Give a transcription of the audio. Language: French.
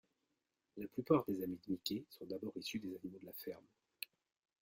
La plupart des amis de Mickey sont d'abord issus des animaux de la ferme.